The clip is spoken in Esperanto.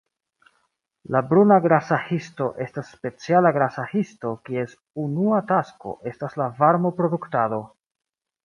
La bruna grasa histo estas speciala grasa histo, kies unua tasko estas la varmo-produktado.